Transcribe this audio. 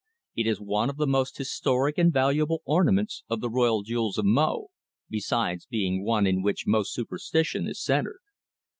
It is one of the most historic and valuable ornaments of the royal jewels of Mo, besides being one in which most superstition is centred.